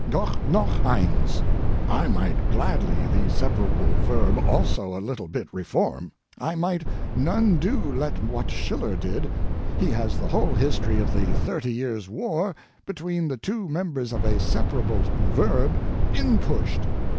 Doch noch eins. I might gladly the separable verb also a little bit reform. I might none do let what Schiller did: he has the whole history of the Thirty Years' War between the two members of a separable verb in pushed.